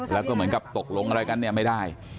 แล้วก็เหมือนกับตกลงอะไรกันเนี่ยไม่ได้